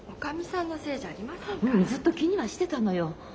ううんずっと気にはしてたのよ。